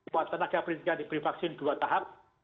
buat tenaga perintah yang diberi vaksin dua tahap